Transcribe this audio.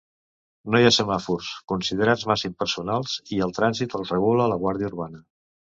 No hi ha semàfors, considerats massa impersonals, i el trànsit el regula la guàrdia urbana.